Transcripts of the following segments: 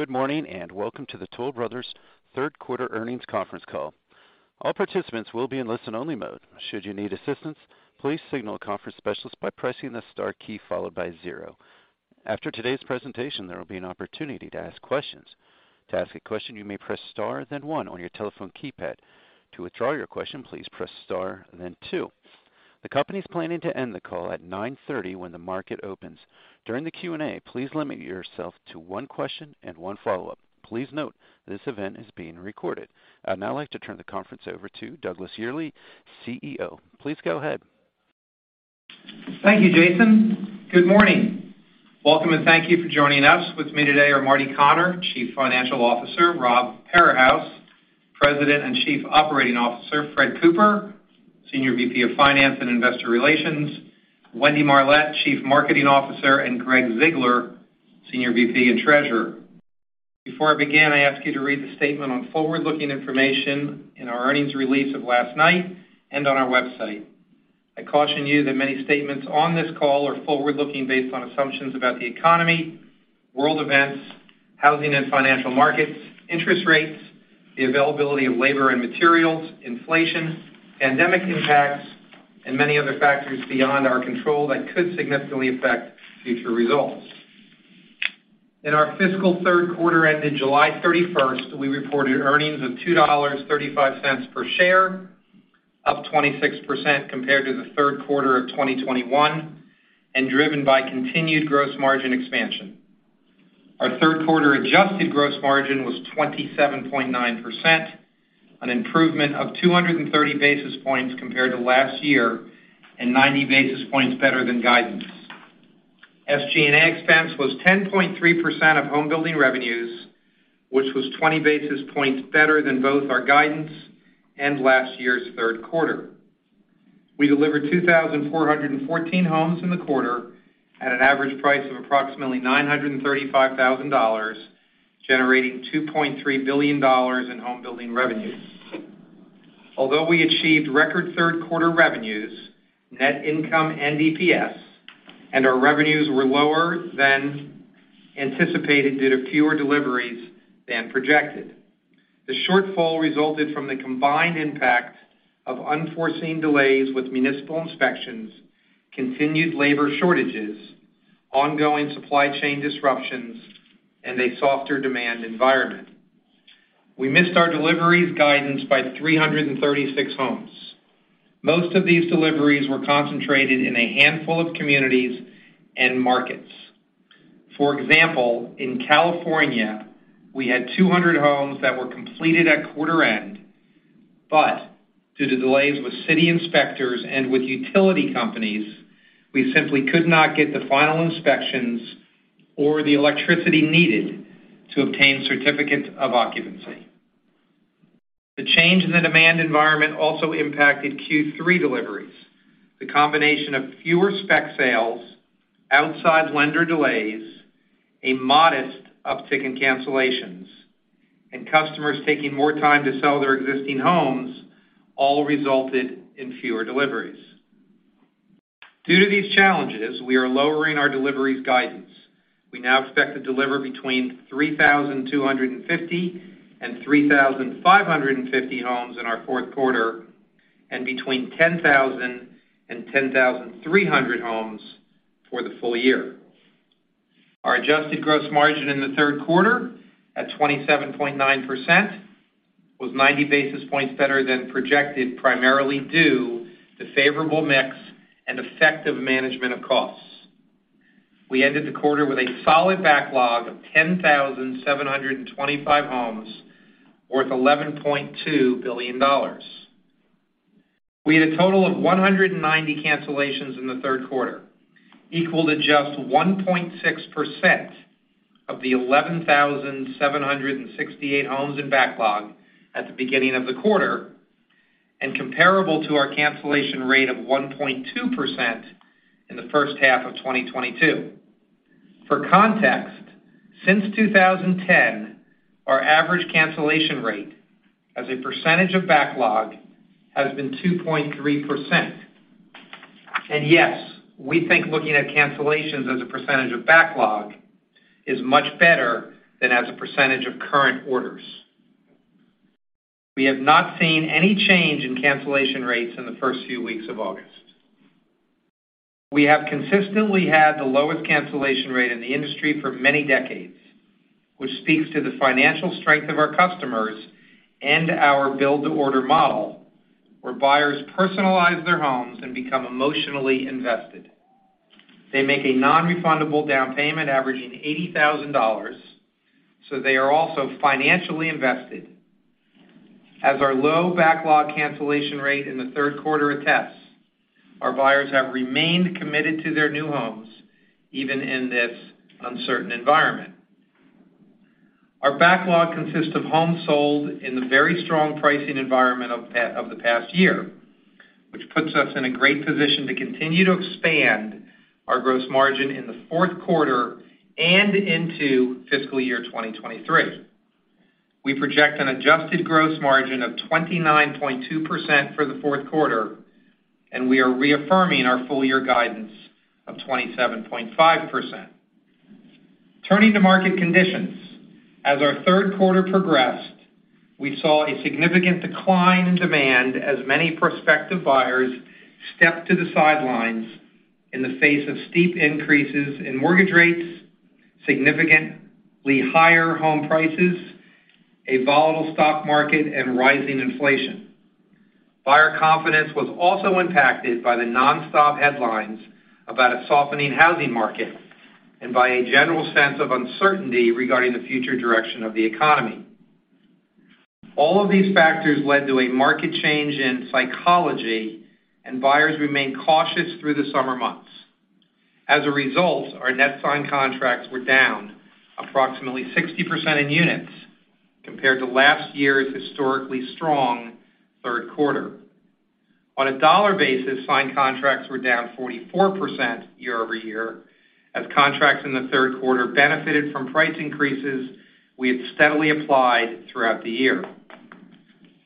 Good morning, and welcome to the Toll Brothers Q3 earnings conference call. All participants will be in listen-only mode. Should you need assistance, please signal a conference specialist by pressing the star key followed by zero. After today's presentation, there will be an opportunity to ask questions. To ask a question, you may press star then one on your telephone keypad. To withdraw your question, please press star then two. The company's planning to end the call at 9:30 A.M. when the market opens. During the Q&A, please limit yourself to one question and one follow-up. Please note this event is being recorded. I'd now like to turn the conference over to Douglas Yearley, CEO. Please go ahead. Thank you, Jason. Good morning. Welcome, and thank you for joining us. With me today are Marty Connor, Chief Financial Officer, Rob Parahus, President and Chief Operating Officer, Fred Cooper, Senior VP of Finance and Investor Relations, Wendy Marlett, Chief Marketing Officer, and Greg Ziegler, Senior VP and Treasurer. Before I begin, I ask you to read the statement on forward-looking information in our earnings release of last night and on our website. I caution you that many statements on this call are forward-looking based on assumptions about the economy, world events, housing and financial markets, interest rates, the availability of labor and materials, inflation, pandemic impacts, and many other factors beyond our control that could significantly affect future results. In our fiscal Q3 ending July 31, we reported earnings of $2.35 per share, up 26% compared to the Q3 of 2021, and driven by continued gross margin expansion. Our Q3 adjusted gross margin was 27.9%, an improvement of 230 basis points compared to last year, and 90 basis points better than guidance. SG&A expense was 10.3% of home building revenues, which was 20 basis points better than both our guidance and last year's Q3. We delivered 2,414 homes in the quarter at an average price of approximately $935,000, generating $2.3 billion in home building revenue. Although we achieved record Q3 revenues, net income and DPS, and our revenues were lower than anticipated due to fewer deliveries than projected. The shortfall resulted from the combined impact of unforeseen delays with municipal inspections, continued labor shortages, ongoing supply chain disruptions, and a softer demand environment. We missed our deliveries guidance by 336 homes. Most of these deliveries were concentrated in a handful of communities and markets. For example, in California, we had 200 homes that were completed at quarter end, but due to delays with city inspectors and with utility companies, we simply could not get the final inspections or the electricity needed to obtain certificate of occupancy. The change in the demand environment also impacted Q3 deliveries. The combination of fewer spec sales, outside lender delays, a modest uptick in cancellations, and customers taking more time to sell their existing homes all resulted in fewer deliveries. Due to these challenges, we are lowering our deliveries guidance. We now expect to deliver between 3,250 and 3,550 homes in our Q4 and between 10,000 and 10,300 homes for the full year. Our adjusted gross margin in the Q3 at 27.9% was ninety basis points better than projected, primarily due to favorable mix and effective management of costs. We ended the quarter with a solid backlog of 10,725 homes worth $11.2 billion. We had a total of 190 cancellations in the Q3 equal to just 1.6% of the 11,768 homes in backlog at the beginning of the quarter, and comparable to our cancellation rate of 1.2% in the first half of 2022. For context, since 2010, our average cancellation rate as a percentage of backlog has been 2.3%. Yes, we think looking at cancellations as a percentage of backlog is much better than as a percentage of current orders. We have not seen any change in cancellation rates in the first few weeks of August. We have consistently had the lowest cancellation rate in the industry for many decades, which speaks to the financial strength of our customers and our build-to-order model, where buyers personalize their homes and become emotionally invested. They make a non-refundable down payment averaging $80,000, so they are also financially invested. As our low backlog cancellation rate in the Q3 attests, our buyers have remained committed to their new homes, even in this uncertain environment. Our backlog consists of homes sold in the very strong pricing environment of the past year, which puts us in a great position to continue to expand our gross margin in the Q4 and into fiscal year 2023. We project an adjusted gross margin of 29.2% for the Q4, and we are reaffirming our full year guidance of 27.5%. Turning to market conditions. As our Q3 progressed, we saw a significant decline in demand as many prospective buyers stepped to the sidelines in the face of steep increases in mortgage rates, significantly higher home prices, a volatile stock market, and rising inflation. Buyer confidence was also impacted by the nonstop headlines about a softening housing market and by a general sense of uncertainty regarding the future direction of the economy. All of these factors led to a market change in psychology, and buyers remained cautious through the summer months. As a result, our net signed contracts were down approximately 60% in units compared to last year's historically strong Q3. On a dollar basis, signed contracts were down 44% year over year as contracts in the Q3 benefited from price increases we had steadily applied throughout the year.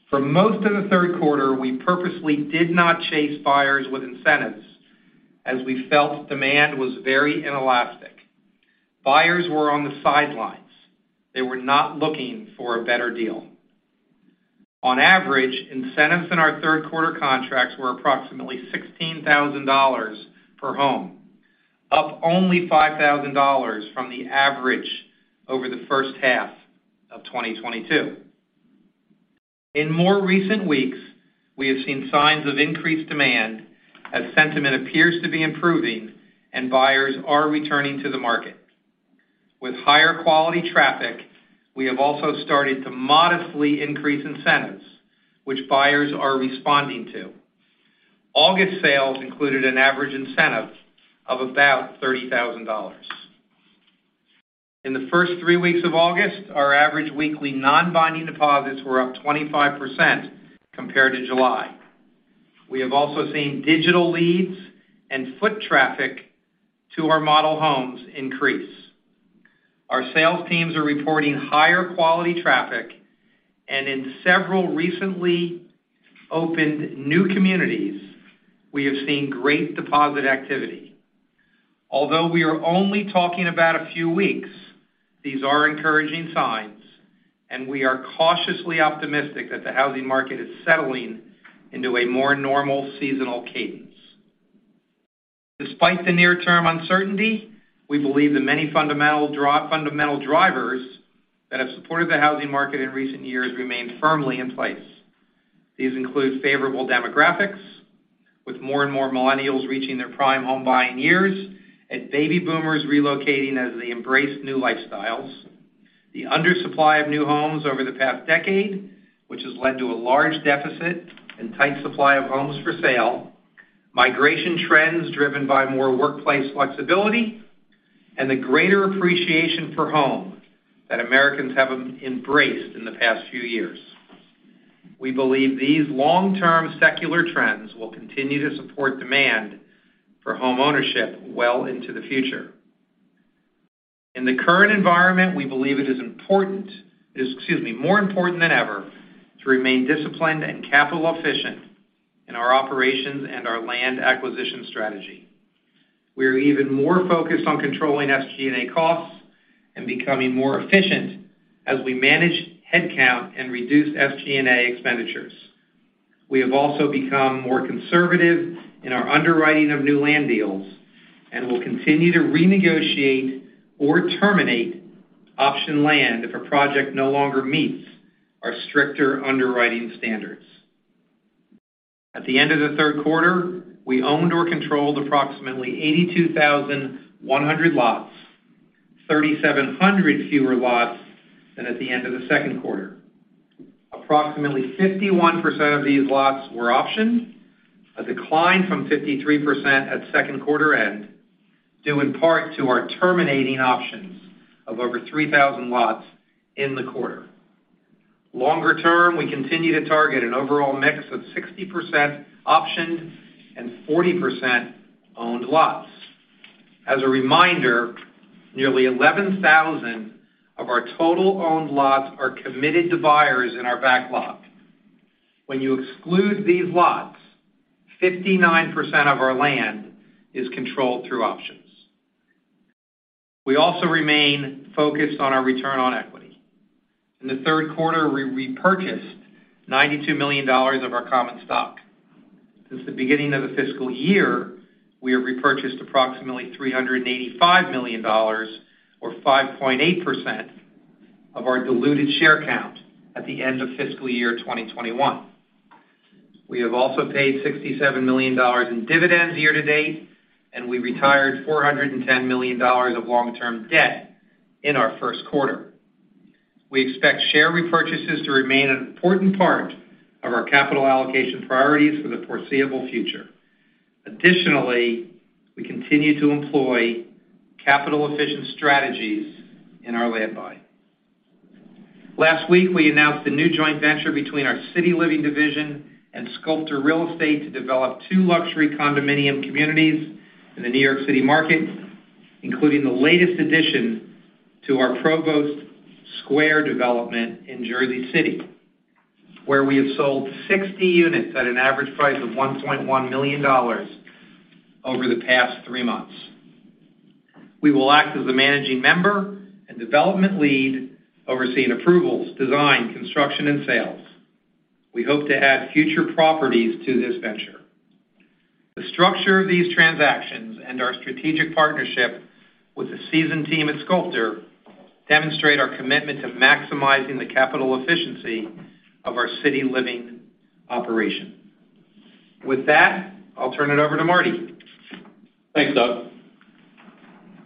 For most of the Q3, we purposely did not chase buyers with incentives as we felt demand was very inelastic. Buyers were on the sidelines. They were not looking for a better deal. On average, incentives in our Q3 contracts were approximately $16,000 per home, up only $5,000 from the average over the first half of 2022. In more recent weeks, we have seen signs of increased demand as sentiment appears to be improving and buyers are returning to the market. With higher quality traffic, we have also started to modestly increase incentives, which buyers are responding to. August sales included an average incentive of about $30,000. In the first three weeks of August, our average weekly non-binding deposits were up 25% compared to July. We have also seen digital leads and foot traffic to our model homes increase. Our sales teams are reporting higher quality traffic, and in several recently opened new communities, we have seen great deposit activity. Although we are only talking about a few weeks, these are encouraging signs, and we are cautiously optimistic that the housing market is settling into a more normal seasonal cadence. Despite the near-term uncertainty, we believe that many fundamental drivers that have supported the housing market in recent years remain firmly in place. These include favorable demographics, with more and more millennials reaching their prime home buying years and baby boomers relocating as they embrace new lifestyles, the undersupply of new homes over the past decade, which has led to a large deficit and tight supply of homes for sale, migration trends driven by more workplace flexibility, and the greater appreciation for home that Americans have embraced in the past few years. We believe these long-term secular trends will continue to support demand for home ownership well into the future. In the current environment, we believe it is important, excuse me, more important than ever to remain disciplined and capital efficient in our operations and our land acquisition strategy. We are even more focused on controlling SG&A costs and becoming more efficient as we manage headcount and reduce SG&A expenditures. We have also become more conservative in our underwriting of new land deals and will continue to renegotiate or terminate optioned land if a project no longer meets our stricter underwriting standards. At the end of the Q3, we owned or controlled approximately 82,100 lots, 3,700 fewer lots than at the end of the Q2. Approximately 51% of these lots were optioned, a decline from 53% at Q2 end, due in part to our terminating options of over 3,000 lots in the quarter. Longer term, we continue to target an overall mix of 60% optioned and 40% owned lots. As a reminder, nearly 11,000 of our total owned lots are committed to buyers in our backlog. When you exclude these lots, 59% of our land is controlled through options. We also remain focused on our return on equity. In the Q3, we repurchased $92 million of our common stock. Since the beginning of the fiscal year, we have repurchased approximately $385 million or 5.8% of our diluted share count at the end of fiscal year 2021. We have also paid $67 million in dividends year to date, and we retired $410 million of long-term debt in our Q1. We expect share repurchases to remain an important part of our capital allocation priorities for the foreseeable future. Additionally, we continue to employ capital efficient strategies in our land buy. Last week, we announced a new joint venture between our City Living division and Sculptor Real Estate to develop two luxury condominium communities in the New York City market. Including the latest addition to our Provost Square development in Jersey City, where we have sold 60 units at an average price of $1.1 million over the past three months. We will act as the managing member and development lead, overseeing approvals, design, construction, and sales. We hope to add future properties to this venture. The structure of these transactions and our strategic partnership with the seasoned team at Sculptor demonstrate our commitment to maximizing the capital efficiency of our City Living operation. With that, I'll turn it over to Marty. Thanks, Doug.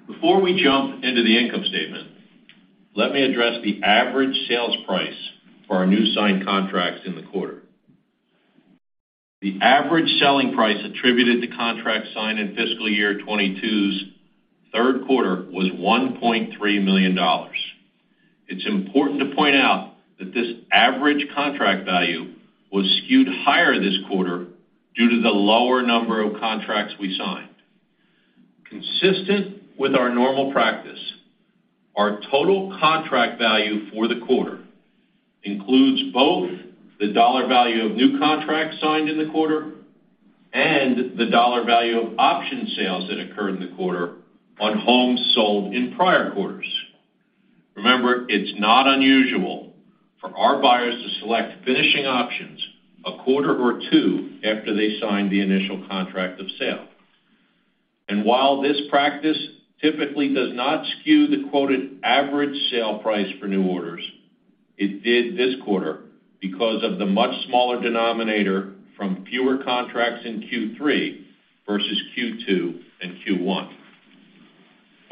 Before we jump into the income statement, let me address the average sales price for our new signed contracts in the quarter. The average selling price attributed to contracts signed in fiscal year 2022's Q3 was $1.3 million. It's important to point out that this average contract value was skewed higher this quarter due to the lower number of contracts we signed. Consistent with our normal practice, our total contract value for the quarter includes both the dollar value of new contracts signed in the quarter and the dollar value of option sales that occurred in the quarter on homes sold in prior quarters. Remember, it's not unusual for our buyers to select finishing options a quarter or two after they sign the initial contract of sale. While this practice typically does not skew the quoted average sale price for new orders, it did this quarter because of the much smaller denominator from fewer contracts in Q3 versus Q2 and Q1.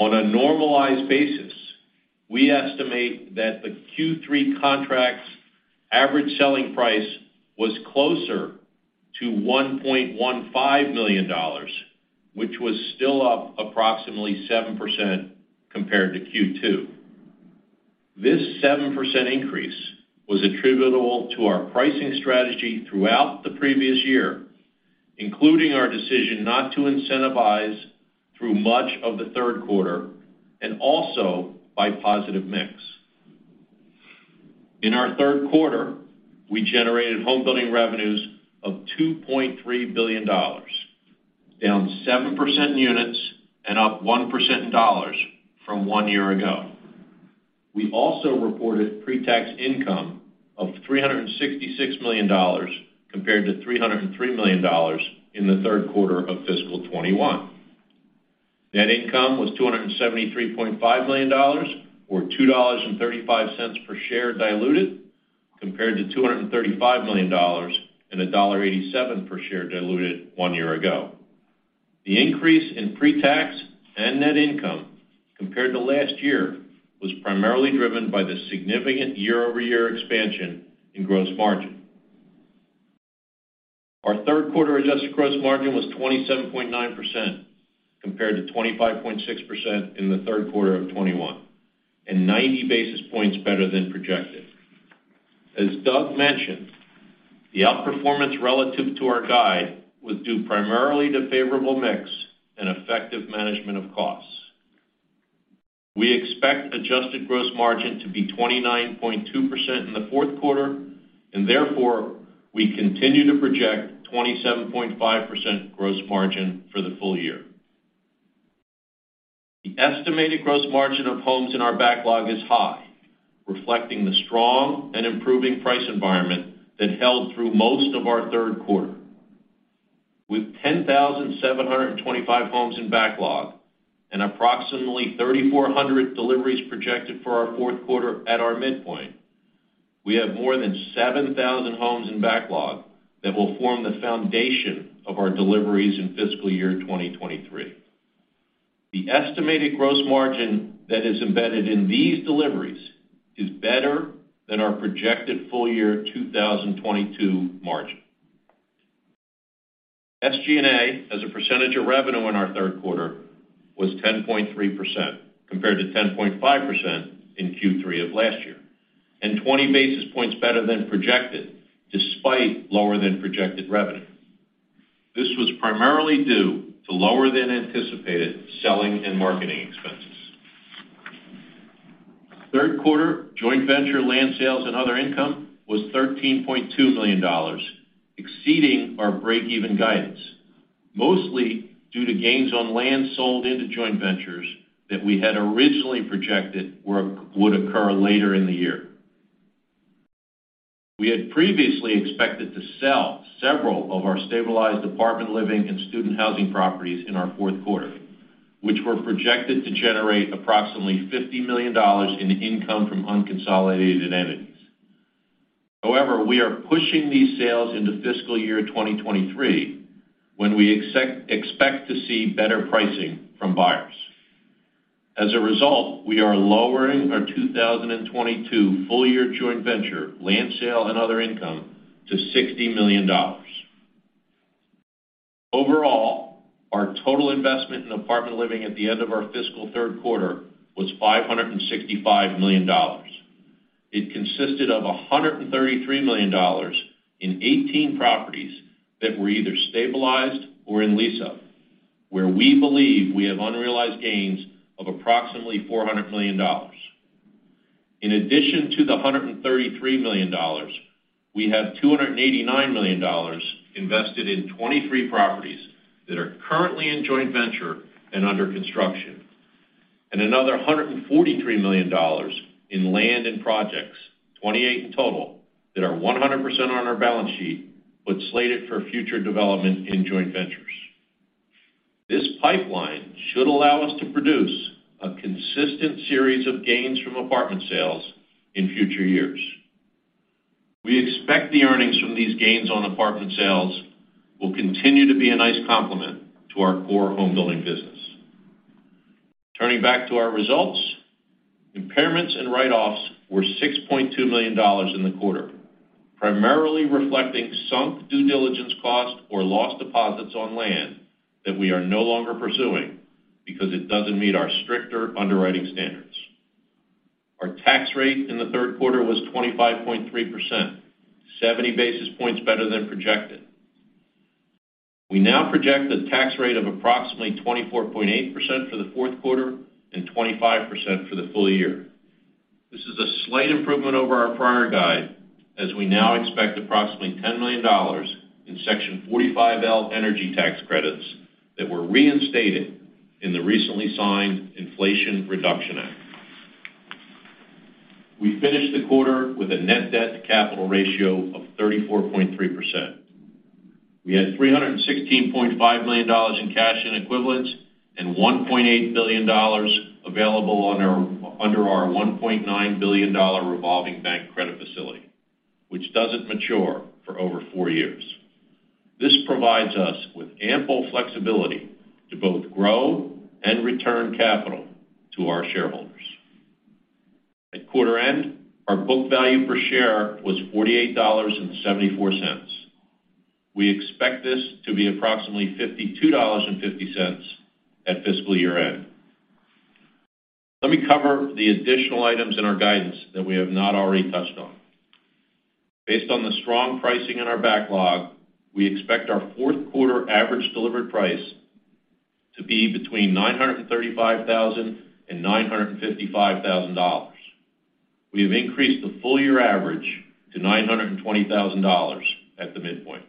On a normalized basis, we estimate that the Q3 contract's average selling price was closer to $1.15 million, which was still up approximately 7% compared to Q2. This 7% increase was attributable to our pricing strategy throughout the previous year, including our decision not to incentivize through much of the Q3, and also by positive mix. In our Q3, we generated home building revenues of $2.3 billion, down 7% in units and up 1% in dollars from one year ago. We reported pre-tax income of $366 million compared to $303 million in the Q3 of fiscal 2021. Net income was $273.5 million or $2.35 per share diluted compared to $235 million and $1.87 per share diluted one year ago. The increase in pre-tax and net income compared to last year was primarily driven by the significant year-over-year expansion in gross margin. Our Q3 adjusted gross margin was 27.9% compared to 25.6% in the Q3 of 2021 and ninety basis points better than projected. As Douglas mentioned, the outperformance relative to our guide was due primarily to favorable mix and effective management of costs. We expect adjusted gross margin to be 29.2% in the Q4, and therefore, we continue to project 27.5% gross margin for the full year. The estimated gross margin of homes in our backlog is high, reflecting the strong and improving price environment that held through most of our Q3. With 10,725 homes in backlog and approximately 3,400 deliveries projected for our Q4 at our midpoint, we have more than 7,000 homes in backlog that will form the foundation of our deliveries in fiscal year 2023. The estimated gross margin that is embedded in these deliveries is better than our projected full-year 2022 margin. SG&A, as a percentage of revenue in our Q3, was 10.3%, compared to 10.5% in Q3 of last year, and 20 basis points better than projected despite lower than projected revenue. This was primarily due to lower than anticipated selling and marketing expenses. Q3 joint venture, land sales, and other income was $13.2 million, exceeding our break-even guidance, mostly due to gains on land sold into joint ventures that we had originally projected would occur later in the year. We had previously expected to sell several of our stabilized apartment living and student housing properties in our Q4, which were projected to generate approximately $50 million in income from unconsolidated entities. However, we are pushing these sales into fiscal year 2023, when we expect to see better pricing from buyers. As a result, we are lowering our 2022 full-year joint venture, land sale, and other income to $60 million. Overall, our total investment in Apartment Living at the end of our fiscal Q3 was $565 million. It consisted of $133 million in 18 properties that were either stabilized or in lease-up, where we believe we have unrealized gains of approximately $400 million. In addition to the $133 million, we have $289 million invested in 23 properties that are currently in joint venture and under construction, and another $143 million in land and projects, 28 in total, that are 100% on our balance sheet, but slated for future development in joint ventures. This pipeline should allow us to produce a consistent series of gains from apartment sales in future years. We expect the earnings from these gains on apartment sales will continue to be a nice complement to our core homebuilding business. Turning back to our results, impairments and write-offs were $6.2 million in the quarter, primarily reflecting sunk due diligence cost or lost deposits on land that we are no longer pursuing because it doesn't meet our stricter underwriting standards. Our tax rate in the Q3 was 25.3%, 70 basis points better than projected. We now project a tax rate of approximately 24.8% for the Q4 and 25% for the full year. This is a slight improvement over our prior guide, as we now expect approximately $10 million in Section 45L energy tax credits that were reinstated in the recently signed Inflation Reduction Act. We finished the quarter with a net debt to capital ratio of 34.3%. We had $316.5 million in cash and equivalents and $1.8 billion available under our $1.9 billion revolving bank credit facility, which doesn't mature for over four years. This provides us with ample flexibility to both grow and return capital to our shareholders. At quarter end, our book value per share was $48.74. We expect this to be approximately $52.50 at fiscal year-end. Let me cover the additional items in our guidance that we have not already touched on. Based on the strong pricing in our backlog, we expect our Q4 average delivered price to be between $935,000 and $955,000. We have increased the full year average to $920,000 at the midpoint.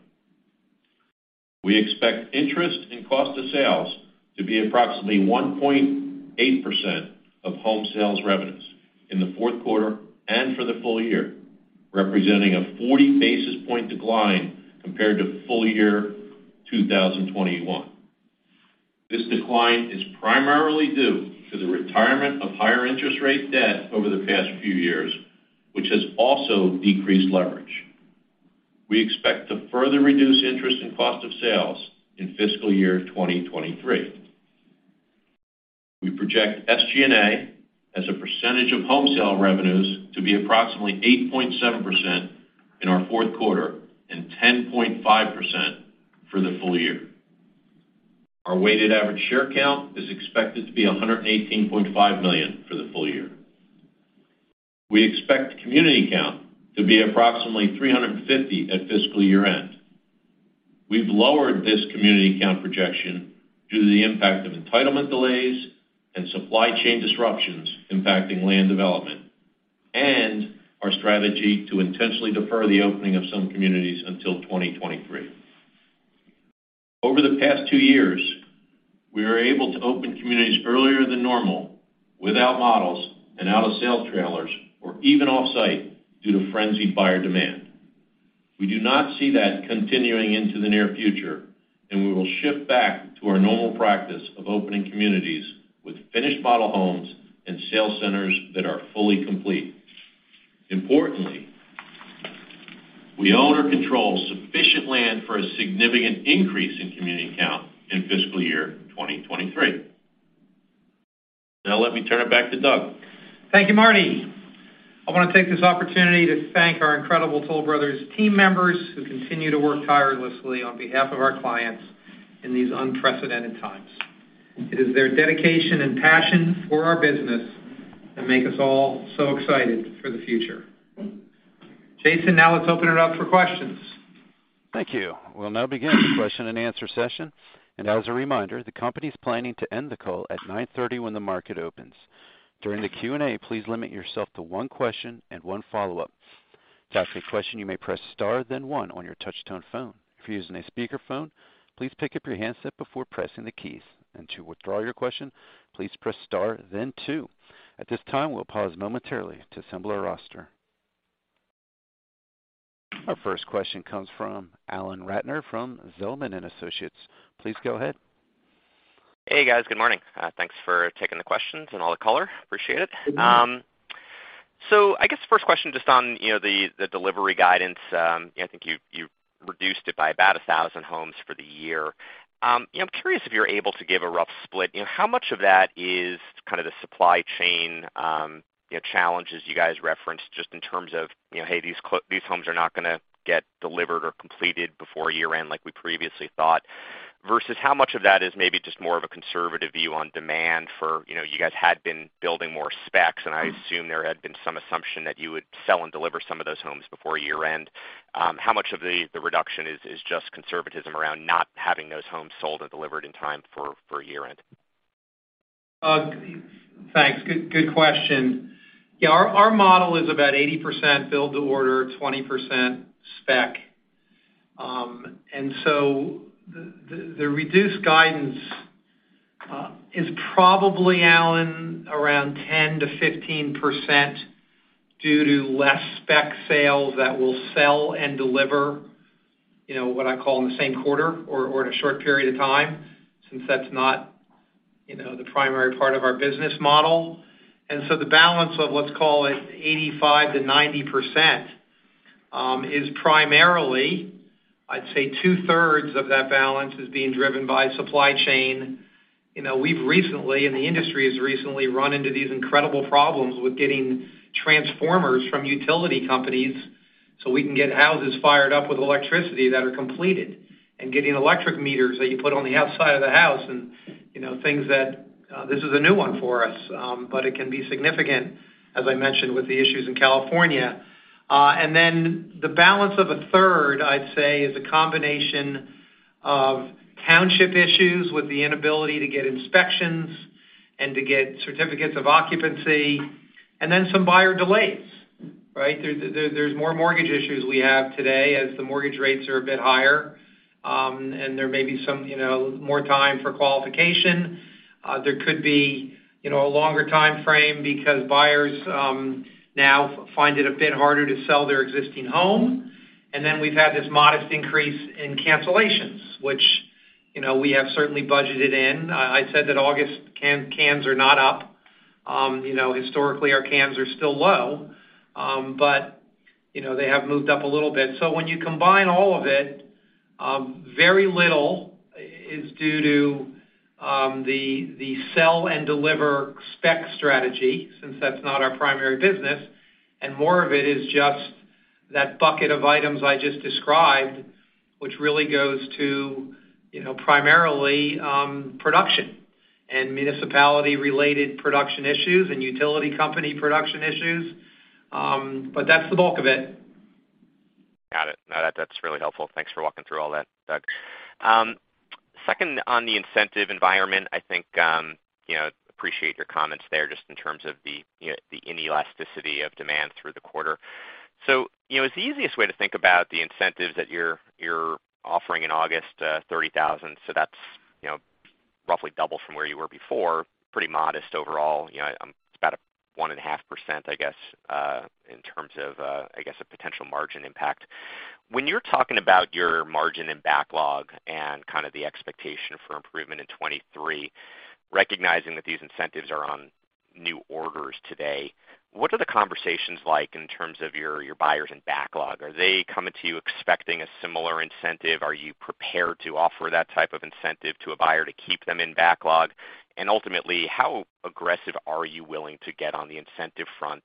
We expect interest and cost of sales to be approximately 1.8% of home sales revenues in the Q4 and for the full year, representing a 40 basis point decline compared to full year 2021. This decline is primarily due to the retirement of higher interest rate debt over the past few years, which has also decreased leverage. We expect to further reduce interest in cost of sales in fiscal year 2023. We project SG&A as a percentage of home sale revenues to be approximately 8.7% in our Q4 and 10.5% for the full year. Our weighted average share count is expected to be 118.5 million for the full year. We expect community count to be approximately 350 at fiscal year-end. We've lowered this community count projection due to the impact of entitlement delays and supply chain disruptions impacting land development and our strategy to intentionally defer the opening of some communities until 2023. Over the past two years, we were able to open communities earlier than normal without models and out of sale trailers or even off-site due to frenzied buyer demand. We do not see that continuing into the near future, and we will shift back to our normal practice of opening communities with finished model homes and sale centers that are fully complete. Importantly, we own or control sufficient land for a significant increase in community count in fiscal year 2023. Now let me turn it back to Douglas. Thank you, Marty. I want to take this opportunity to thank our incredible Toll Brothers team members who continue to work tirelessly on behalf of our clients in these unprecedented times. It is their dedication and passion for our business that make us all so excited for the future. Jason, now let's open it up for questions. Thank you. We'll now begin the question and answer session. As a reminder, the company is planning to end the call at 9:30 A.M. when the market opens. During the Q&A, please limit yourself to one question and one follow-up. To ask a question, you may press star then one on your touch-tone phone. If you're using a speakerphone, please pick up your handset before pressing the keys. To withdraw your question, please press star then two. At this time, we'll pause momentarily to assemble our roster. Our first question comes from Alan Ratner from Zelman & Associates. Please go ahead. Hey, guys. Good morning. Thanks for taking the questions and all the color. Appreciate it. So I guess first question just on, you know, the delivery guidance. I think you reduced it by about 1,000 homes for the year. You know, I'm curious if you're able to give a rough split. You know, how much of that is the supply chain, you know, challenges you guys referenced just in terms of, you know, hey, these homes are not gonna get delivered or completed before year-end like we previously thought? Versus how much of that is maybe just more of a conservative view on demand for, you know, you guys had been building more specs, and I assume there had been some assumption that you would sell and deliver some of those homes before year-end. How much of the reduction is just conservatism around not having those homes sold or delivered in time for year-end? Thanks. Good question. Yeah. Our model is about 80% build-to-order, 20% spec. The reduced guidance is probably, Alan, around 10%-15% due to less spec sales that we'll sell and deliver, you know, what I call in the same quarter or in a short period of time since that's not, you know, the primary part of our business model. The balance of, let's call it 85%-90%, is primarily, I'd say two-thirds of that balance is being driven by supply chain. You know, we've recently, and the industry has recently run into these incredible problems with getting transformers from utility companies so we can get houses fired up with electricity that are completed. Getting electric meters that you put on the outside of the house and, you know, things that, this is a new one for us, but it can be significant, as I mentioned, with the issues in California. And then the balance of a third, I'd say, is a combination of township issues with the inability to get inspections and to get certificates of occupancy, and then some buyer delays, right? There's more mortgage issues we have today as the mortgage rates are a bit higher, and there may be some, you know, more time for qualification. There could be, you know, a longer timeframe because buyers, now find it a bit harder to sell their existing home. And then we've had this modest increase in cancellations, which, you know, we have certainly budgeted in. I said that August cancellations are not up. You know, historically our cancellations are still low, but, you know, they have moved up a little bit. When you combine all of it, very little is due to the sell and deliver spec strategy since that's not our primary business, and more of it is just that bucket of items I just described, which really goes to, you know, primarily, production and municipality-related production issues and utility company production issues. That's the bulk of it. Got it. No, that's really helpful. Thanks for walking through all that, Douglas. Second on the incentive environment, I think, you know, appreciate your comments there just in terms of the, you know, the inelasticity of demand through the quarter. You know, is the easiest way to think about the incentives that you're offering in August, $30,000, so that's, you know, roughly double from where you were before, pretty modest overall. You know, it's about 1.5%, I guess, in terms of, I guess, a potential margin impact. When you're talking about your margin and backlog and the expectation for improvement in 2023, recognizing that these incentives are on new orders today, what are the conversations like in terms of your buyers and backlog? Are they coming to you expecting a similar incentive? Are you prepared to offer that type of incentive to a buyer to keep them in backlog? Ultimately, how aggressive are you willing to get on the incentive front,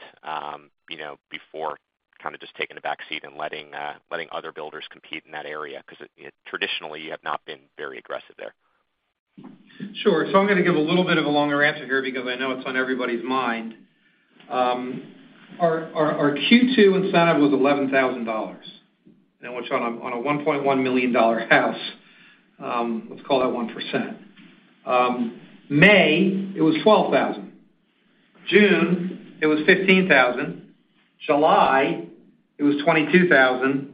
you know, before just taking a back seat and letting other builders compete in that area? Traditionally, you have not been very aggressive there. Sure. I'm gonna give a little bit of a longer answer here because I know it's on everybody's mind. Our Q2 incentive was $11,000, which on a $1.1 million house, let's call that 1%. May it was $12,000. June it was $15,000. July it was $22,000.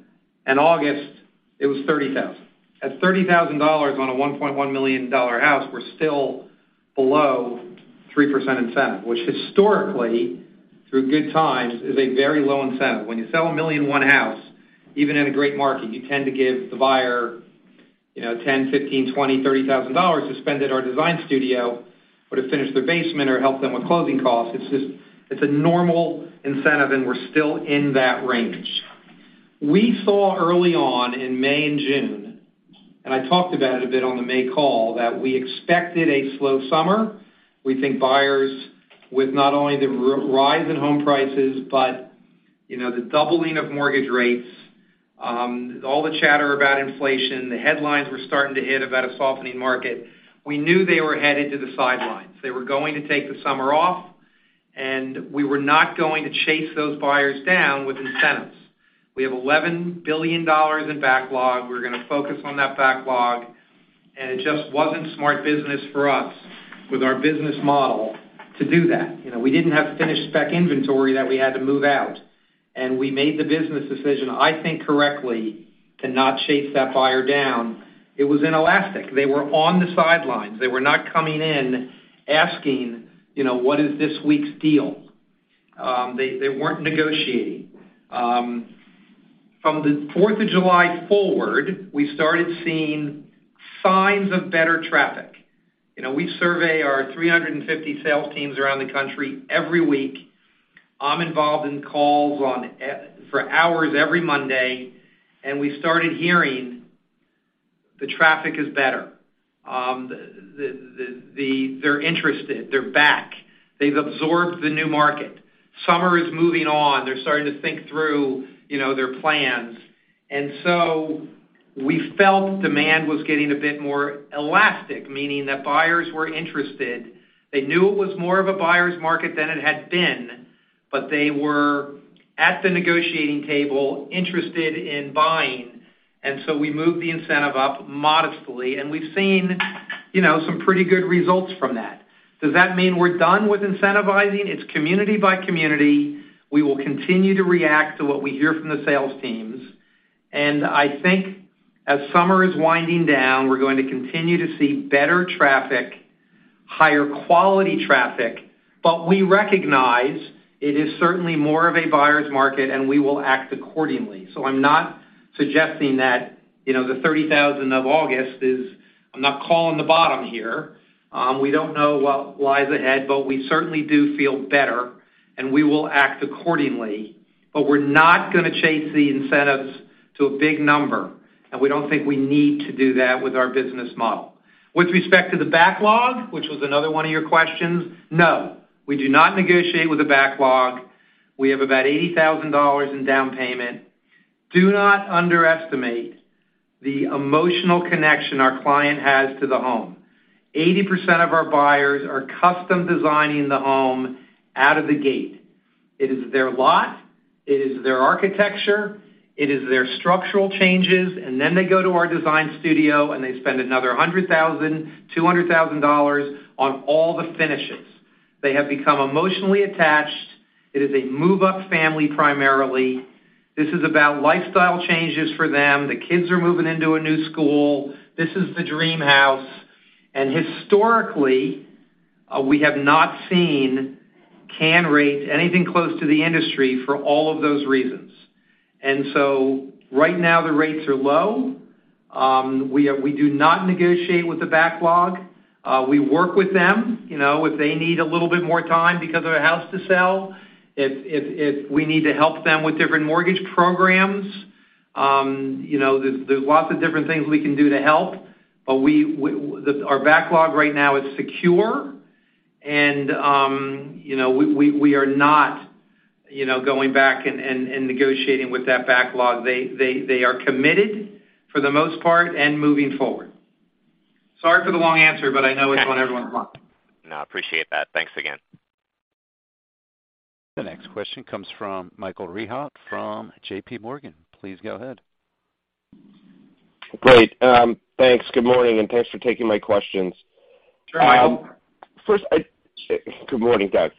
In August it was $30,000. At $30,000 on a $1.1 million house, we're still below 3% incentive, which historically, through good times, is a very low incentive. When you sell a $1.1 million house, even in a great market, you tend to give the buyer, you know, $10,000, $15,000, $20,000, $30,000 to spend at our Design Studio or to finish their basement or help them with closing costs. It's just, it's a normal incentive, and we're still in that range. We saw early on in May and June, and I talked about it a bit on the May call, that we expected a slow summer. We think buyers with not only the rise in home prices but, you know, the doubling of mortgage rates, all the chatter about inflation, the headlines were starting to hit about a softening market. We knew they were headed to the sidelines. They were going to take the summer off, and we were not going to chase those buyers down with incentives. We have $11 billion in backlog. We're gonna focus on that backlog. It just wasn't smart business for us with our business model to do that. You know, we didn't have finished spec inventory that we had to move out, and we made the business decision, I think correctly, to not chase that buyer down. It was inelastic. They were on the sidelines. They were not coming in asking, you know, "What is this week's deal?" They weren't negotiating. From the Fourth of July forward, we started seeing signs of better traffic. You know, we survey our 350 sales teams around the country every week. I'm involved in calls every Monday for hours, and we started hearing the traffic is better. They're interested. They're back. They've absorbed the new market. Summer is moving on. They're starting to think through, you know, their plans. We felt demand was getting a bit more elastic, meaning that buyers were interested. They knew it was more of a buyer's market than it had been, but they were at the negotiating table interested in buying. We moved the incentive up modestly, and we've seen, you know, some pretty good results from that. Does that mean we're done with incentivizing? It's community by community. We will continue to react to what we hear from the sales teams. I think as summer is winding down, we're going to continue to see better traffic, higher quality traffic. We recognize it is certainly more of a buyer's market, and we will act accordingly. I'm not suggesting that, you know, the $30,000 of August. I'm not calling the bottom here. We don't know what lies ahead, but we certainly do feel better, and we will act accordingly. We're not gonna chase the incentives to a big number, and we don't think we need to do that with our business model. With respect to the backlog, which was another one of your questions, no, we do not negotiate with a backlog. We have about $80,000 in down payment. Do not underestimate the emotional connection our client has to the home. 80% of our buyers are custom-designing the home out of the gate. It is their lot, it is their architecture, it is their structural changes. Then they go to our Design Studio, and they spend another $100,000, $200,000 dollars on all the finishes. They have become emotionally attached. It is a move-up family primarily. This is about lifestyle changes for them. The kids are moving into a new school. This is the dream house. Historically, we have not seen cancellation rate anything close to the industry for all of those reasons. Right now, the rates are low. We do not negotiate with the backlog. We work with them, you know. If they need a little bit more time because of a house to sell, if we need to help them with different mortgage programs, you know, there's lots of different things we can do to help. Our backlog right now is secure and, you know, we are not, you know, going back and negotiating with that backlog. They are committed for the most part and moving forward. Sorry for the long answer, but I know it's on everyone's mind. No, I appreciate that. Thanks again. The next question comes from Michael Rehaut from J.P. Morgan. Please go ahead. Great. Thanks. Good morning, and thanks for taking my questions. Sure, Michael. Good morning, Douglas.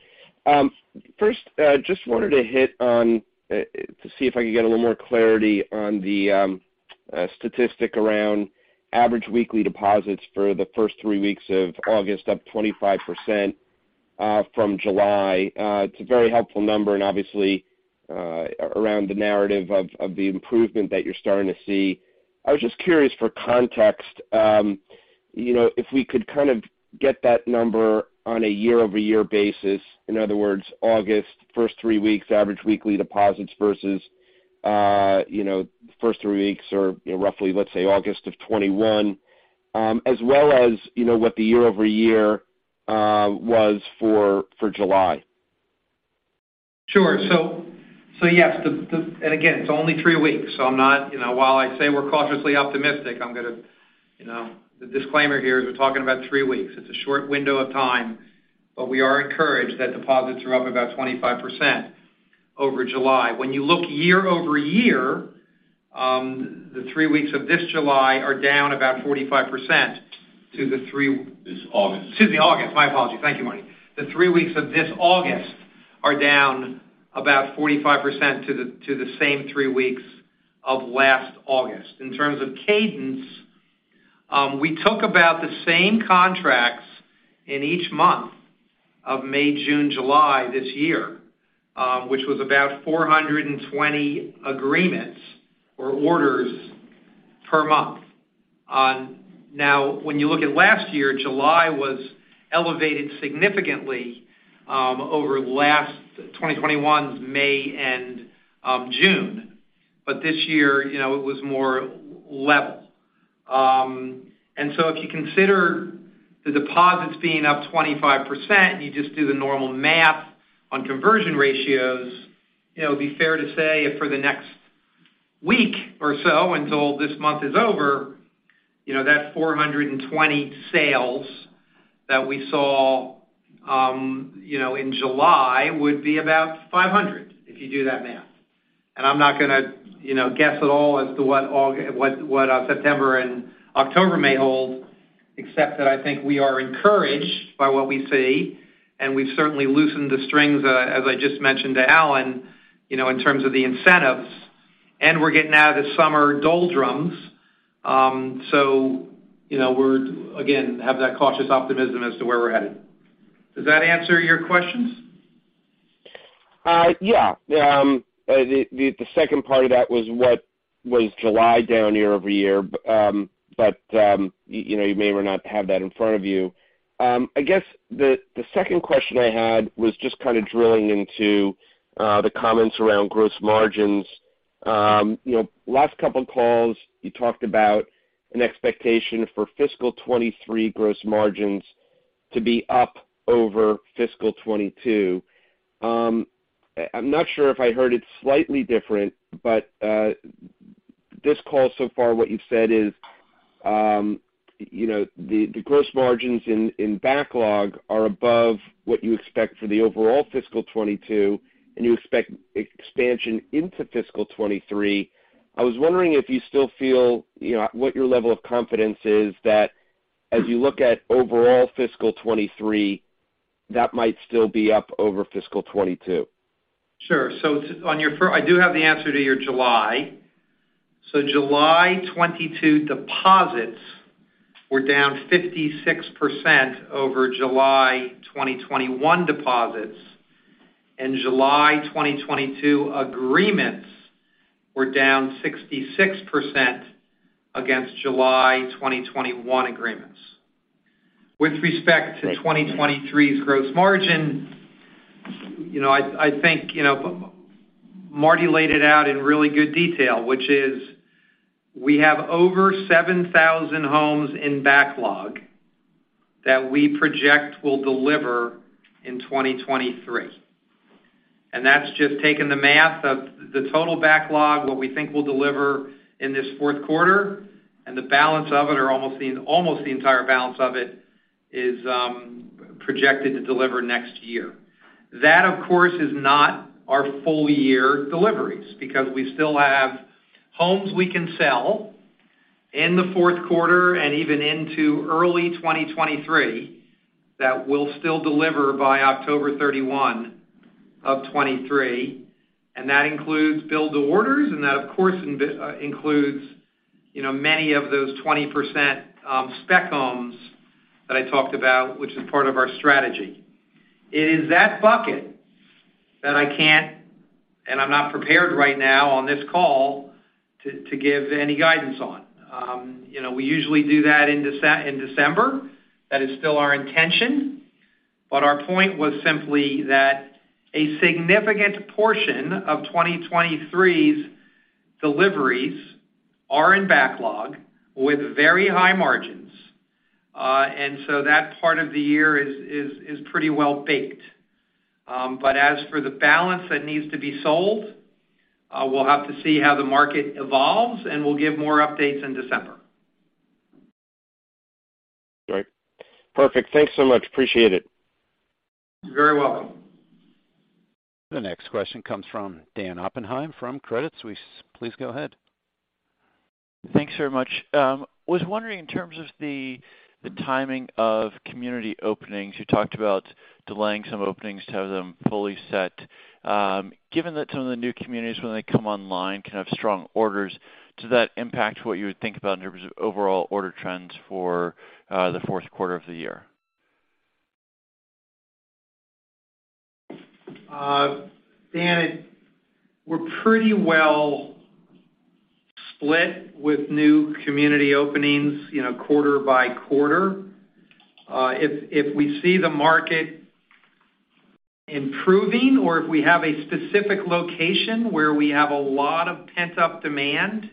First, just wanted to hit on to see if I could get a little more clarity on the statistic around average weekly deposits for the first three weeks of August, up 25% from July. It's a very helpful number and obviously around the narrative of the improvement that you're starting to see. I was just curious for context, you know, if we could get that number on a year-over-year basis. In other words, August, first three weeks, average weekly deposits versus, you know, first three weeks or roughly, let's say, August of 2021, as well as, you know, what the year-over-year was for July. Sure. Yes, and again, it's only three weeks, so I'm not, you know. While I say we're cautiously optimistic, I'm gonna, you know, the disclaimer here is we're talking about three weeks. It's a short window of time, but we are encouraged that deposits are up about 25% over July. When you look year-over-year, the three weeks of this July are down about 45% to the three- This August. Excuse me, August. My apologies. Thank you, Marty. The three weeks of this August are down about 45% to the same three weeks of last August. In terms of cadence, we took about the same contracts in each month of May, June, July this year, which was about 420 agreements or orders per month. Now, when you look at last year, July was elevated significantly over last 2021's May and June. This year, you know, it was more level. If you consider the deposits being up 25%, you know, it'd be fair to say if for the next week or so, until this month is over, you know, that 420 sales that we saw, you know, in July would be about 500, if you do that math. I'm not gonna, you know, guess at all as to what September and October may hold, except that I think we are encouraged by what we see, and we've certainly loosened the strings, as I just mentioned to Alan, you know, in terms of the incentives, and we're getting out of the summer doldrums. You know, we're, again, have that cautious optimism as to where we're headed. Does that answer your questions? Yeah. The second part of that was what was July down year-over-year, but you know, you may or may not have that in front of you. I guess the second question I had was just drilling into the comments around gross margins. You know, last couple of calls, you talked about an expectation for fiscal 2023 gross margins to be up over fiscal 2022. I'm not sure if I heard it slightly different, but this call so far, what you've said is, you know, the gross margins in backlog are above what you expect for the overall fiscal 2022, and you expect expansion into fiscal 2023. I was wondering if you still feel, you know, what your level of confidence is that as you look at overall fiscal 2023, that might still be up over fiscal 2022? I do have the answer to your July. July 2022 deposits were down 56% over July 2021 deposits, and July 2022 agreements were down 66% against July 2021 agreements. With respect to 2023's gross margin, you know, I think, you know, Marty laid it out in really good detail, which is we have over 7,000 homes in backlog that we project will deliver in 2023. That's just taking the math of the total backlog, what we think we'll deliver in this Q4, and the balance of it, or almost the entire balance of it is projected to deliver next year. That, of course, is not our full year deliveries because we still have homes we can sell in the Q4 and even into early 2023 that will still deliver by October 31 of 2023, and that includes build to orders, and that, of course, includes, you know, many of those 20% spec homes that I talked about, which is part of our strategy. It is that bucket that I can't, and I'm not prepared right now on this call to give any guidance on. You know, we usually do that in December. That is still our intention. Our point was simply that a significant portion of 2023's deliveries are in backlog with very high margins. That part of the year is pretty well baked. As for the balance that needs to be sold, we'll have to see how the market evolves, and we'll give more updates in December. Right. Perfect. Thanks so much. Appreciate it. You're very welcome. The next question comes from Dan Oppenheim from Credit Suisse. Please go ahead. Thanks very much. Was wondering in terms of the timing of community openings, you talked about delaying some openings to have them fully set. Given that some of the new communities when they come online can have strong orders, does that impact what you would think about in terms of overall order trends for the Q4 of the year? Dan, we're pretty well split with new community openings, you know, quarter by quarter. If we see the market improving or if we have a specific location where we have a lot of pent-up demand,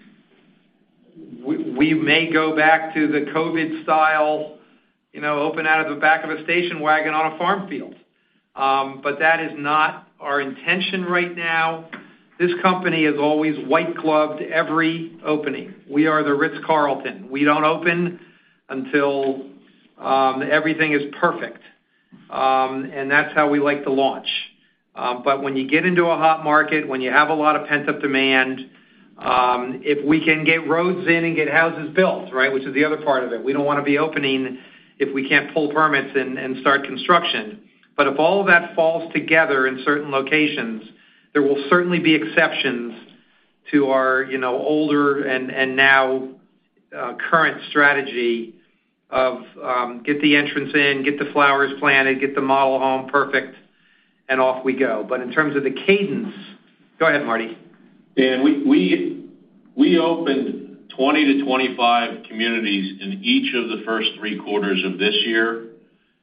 we may go back to the COVID style, you know, open out of the back of a station wagon on a farm field. But that is not our intention right now. This company has always white-gloved every opening. We are the Ritz-Carlton. We don't open until everything is perfect. And that's how we like to launch. But when you get into a hot market, when you have a lot of pent-up demand, if we can get roads in and get houses built, right, which is the other part of it. We don't wanna be opening if we can't pull permits and start construction. If all that falls together in certain locations, there will certainly be exceptions to our, you know, older and now current strategy of get the entrance in, get the flowers planted, get the model home perfect, and off we go. In terms of the cadence. Go ahead, Marty. Dan, we opened 20-25 communities in each of the first three quarters of this year,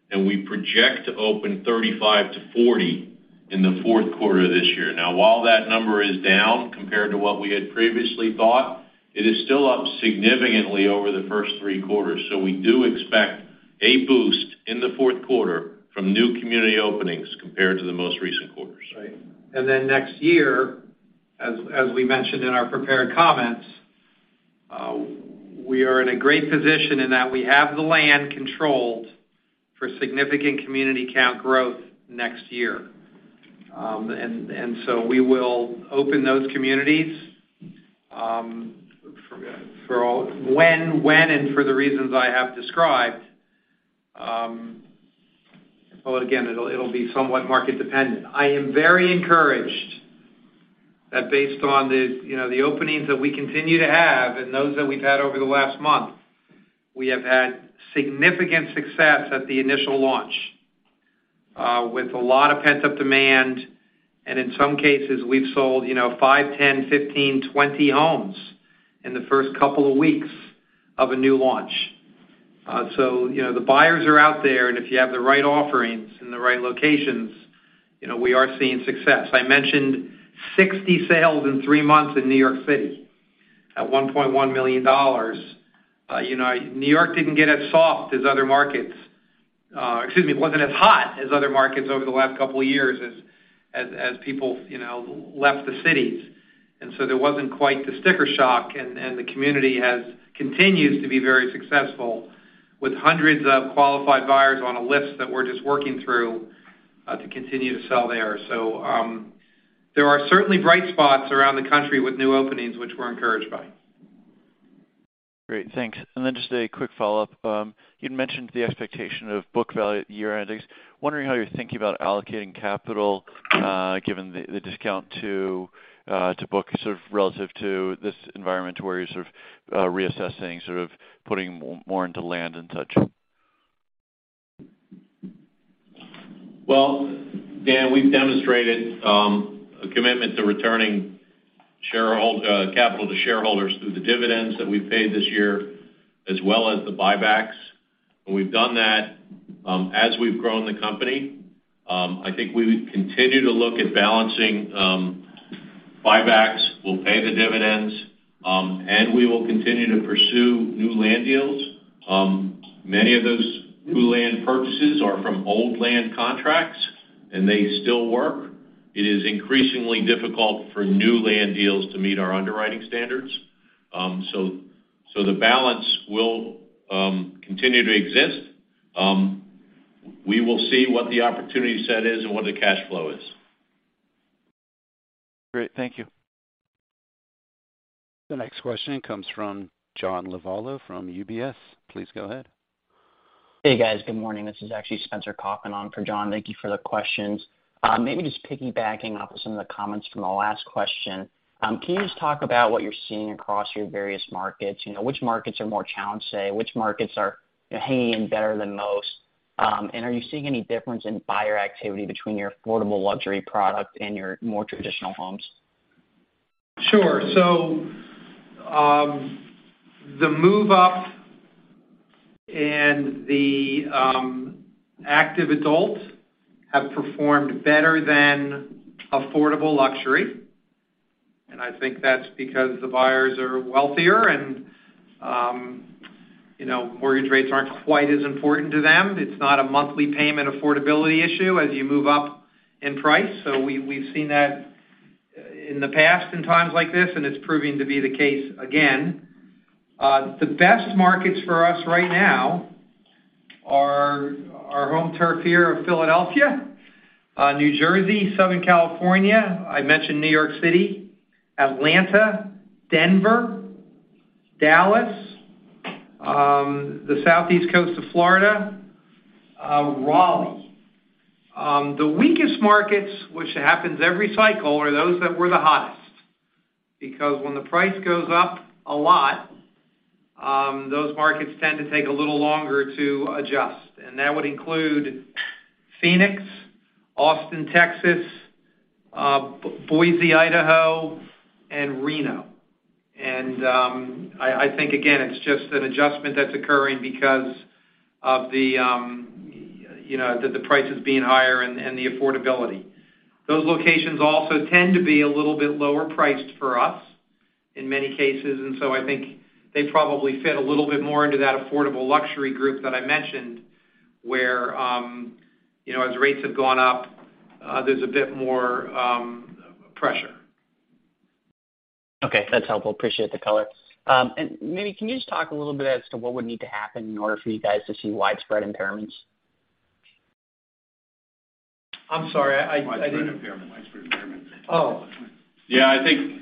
and we project to open 35-40 in the Q4 of this year. Now, while that number is down compared to what we had previously thought, it is still up significantly over the first three quarters. We do expect a boost in the Q4 from new community openings compared to the most recent quarters. Right. Next year, as we mentioned in our prepared comments, we are in a great position in that we have the land controlled for significant community count growth next year. We will open those communities for all when and for the reasons I have described. Again, it'll be somewhat market dependent. I am very encouraged that based on the, you know, the openings that we continue to have and those that we've had over the last month, we have had significant success at the initial launch, with a lot of pent-up demand, and in some cases, we've sold, you know, 5, 10, 15, 20 homes in the first couple of weeks of a new launch. You know, the buyers are out there, and if you have the right offerings in the right locations, you know, we are seeing success. I mentioned 60 sales in 3 months in New York City at $1.1 million. You know, New York didn't get as soft as other markets, excuse me, wasn't as hot as other markets over the last couple of years as people, you know, left the cities. there wasn't quite the sticker shock, and the community has continued to be very successful with hundreds of qualified buyers on a list that we're just working through to continue to sell there. There are certainly bright spots around the country with new openings, which we're encouraged by. Great. Thanks. Just a quick follow-up. You'd mentioned the expectation of book value at year-endings. Wondering how you're thinking about allocating capital, given the discount to book relative to this environment where you're reassessing, putting more into land and such. Well, Dan, we've demonstrated a commitment to returning shareholder capital to shareholders through the dividends that we've paid this year as well as the buybacks. We've done that as we've grown the company. I think we would continue to look at balancing buybacks. We'll pay the dividends and we will continue to pursue new land deals. Many of those new land purchases are from old land contracts, and they still work. It is increasingly difficult for new land deals to meet our underwriting standards. So the balance will continue to exist. We will see what the opportunity set is and what the cash flow is. Great. Thank you. The next question comes from John Lovallo from UBS. Please go ahead. Hey, guys. Good morning. This is actually Spencer Kaufman on for John. Thank you for the questions. Maybe just piggybacking off of some of the comments from the last question, can you just talk about what you're seeing across your various markets? You know, which markets are more challenged today? Which markets are, you know, hanging in better than most? Are you seeing any difference in buyer activity between your affordable luxury product and your more traditional homes? Sure. The move-up and the active adults have performed better than affordable luxury, and I think that's because the buyers are wealthier and, you know, mortgage rates aren't quite as important to them. It's not a monthly payment affordability issue as you move up in price. We've seen that in the past in times like this, and it's proving to be the case again. The best markets for us right now are our home turf here in Philadelphia, New Jersey, Southern California. I mentioned New York City, Atlanta, Denver, Dallas, the southeast coast of Florida, Raleigh. The weakest markets, which happens every cycle, are those that were the hottest because when the price goes up a lot, those markets tend to take a little longer to adjust. That would include Phoenix, Austin, Texas, Boise, Idaho, and Reno. I think, again, it's just an adjustment that's occurring because of the you know, the prices being higher and the affordability. Those locations also tend to be a little bit lower priced for us in many cases. I think they probably fit a little bit more into that affordable luxury group that I mentioned, where you know, as rates have gone up, there's a bit more pressure. Okay. That's helpful. Appreciate the color. Maybe can you just talk a little bit as to what would need to happen in order for you guys to see widespread impairments? I'm sorry. I didn't- Widespread impairment. Oh. Yeah, I think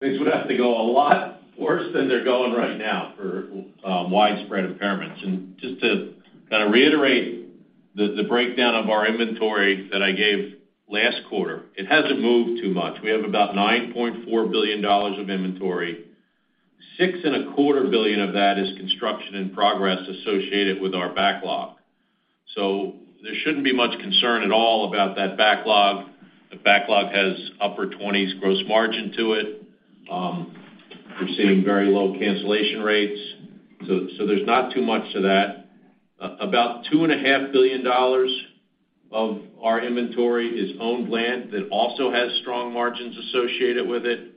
things would have to go a lot worse than they're going right now for widespread impairments. Just to reiterate the breakdown of our inventory that I gave last quarter, it hasn't moved too much. We have about $9.4 billion of inventory. Six and a quarter billion of that is construction in progress associated with our backlog. There shouldn't be much concern at all about that backlog. The backlog has upper 20s% gross margin to it. We're seeing very low cancellation rates. So there's not too much to that. About two and a half billion dollars of our inventory is owned land that also has strong margins associated with it.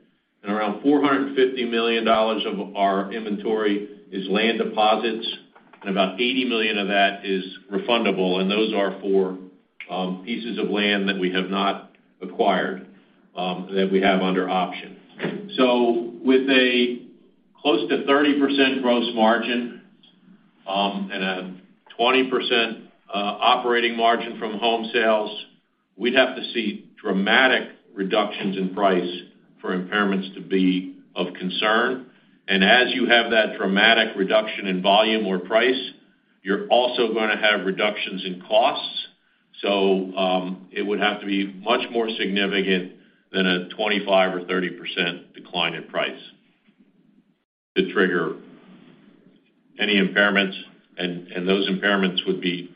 Around $450 million of our inventory is land deposits, and about $80 million of that is refundable, and those are for pieces of land that we have not acquired, that we have under option. With a close to 30% gross margin, and a 20% operating margin from home sales, we'd have to see dramatic reductions in price for impairments to be of concern. As you have that dramatic reduction in volume or price, you're also gonna have reductions in costs. It would have to be much more significant than a 25% or 30% decline in price to trigger Any impairments, and those impairments would be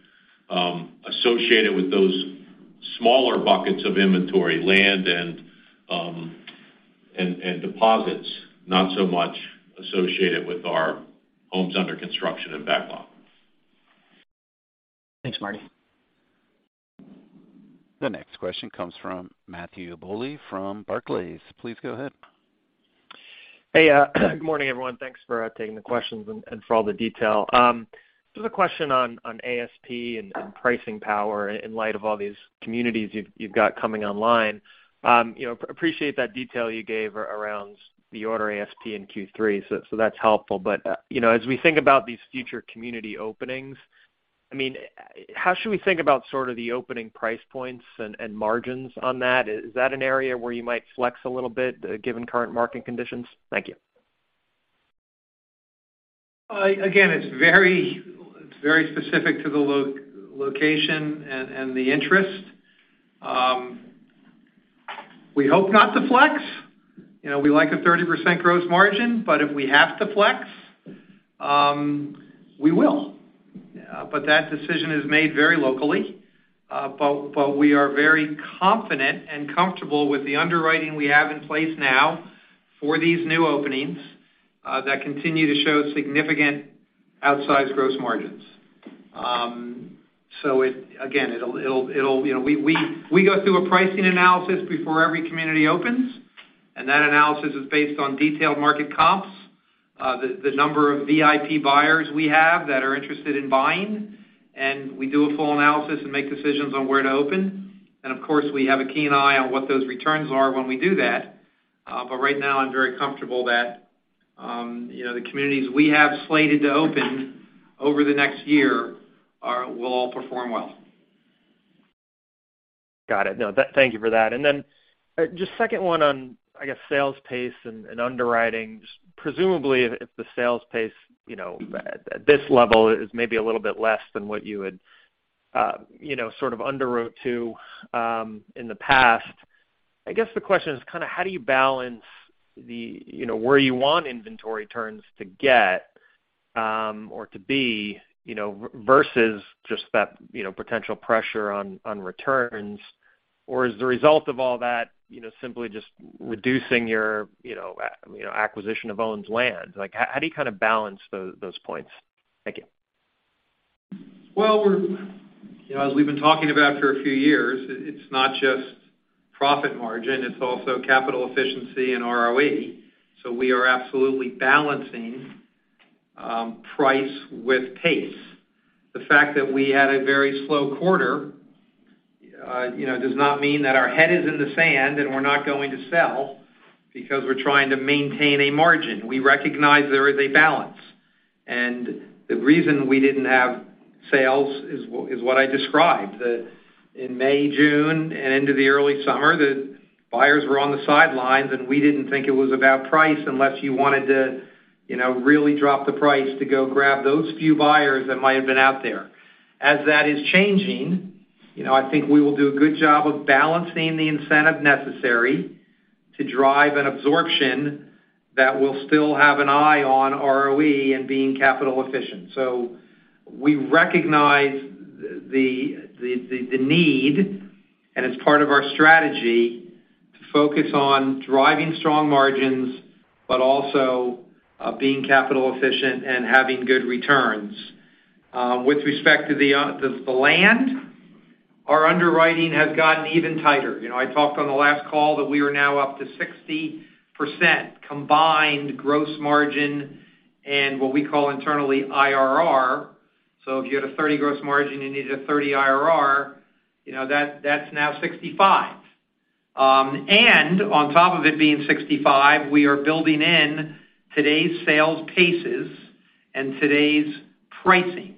associated with those smaller buckets of inventory, land and deposits, not so much associated with our homes under construction and backlog. Thanks, Marty. The next question comes from Matthew Bouley from Barclays. Please go ahead. Hey, good morning, everyone. Thanks for taking the questions and for all the detail. Just a question on ASP and pricing power in light of all these communities you've got coming online. You know, appreciate that detail you gave around the order ASP in Q3, so that's helpful. You know, as we think about these future community openings, I mean, how should we think about the opening price points and margins on that? Is that an area where you might flex a little bit, given current market conditions? Thank you. Again, it's very, very specific to the location and the interest. We hope not to flex. You know, we like a 30% gross margin, but if we have to flex, we will. That decision is made very locally. We are very confident and comfortable with the underwriting we have in place now for these new openings that continue to show significant outsized gross margins. So it, again, it'll you know, we go through a pricing analysis before every community opens, and that analysis is based on detailed market comps, the number of VIP buyers we have that are interested in buying, and we do a full analysis and make decisions on where to open. Of course, we have a keen eye on what those returns are when we do that. Right now, I'm very comfortable that, you know, the communities we have slated to open over the next year will all perform well. Got it. No, thank you for that. Just second one on, I guess, sales pace and underwriting. Just presumably, if the sales pace, you know, at this level is maybe a little bit less than what you would, you know, underwrote to in the past. I guess, the question is how do you balance the, you know, where you want inventory turns to get or to be, you know, versus just that, you know, potential pressure on returns? Or is the result of all that, you know, simply just reducing your, you know, acquisition of owned land? Like, how do you balance those points? Thank you. Well, we're, you know, as we've been talking about for a few years, it's not just profit margin, it's also capital efficiency and ROE. We are absolutely balancing price with pace. The fact that we had a very slow quarter, you know, does not mean that our head is in the sand and we're not going to sell because we're trying to maintain a margin. We recognize there is a balance. The reason we didn't have sales is what I described. That in May, June, and into the early summer, the buyers were on the sidelines, and we didn't think it was about price unless you wanted to, you know, really drop the price to go grab those few buyers that might have been out there. As that is changing, you know, I think we will do a good job of balancing the incentive necessary to drive an absorption that will still have an eye on ROE and being capital efficient. We recognize the need, and it's part of our strategy to focus on driving strong margins, but also being capital efficient and having good returns. With respect to the land, our underwriting has gotten even tighter. You know, I talked on the last call that we are now up to 60% combined gross margin and what we call internally IRR. If you had a 30% gross margin, you needed a 30% IRR, you know, that's now 65%. On top of it being 65%, we are building in today's sales paces and today's pricing.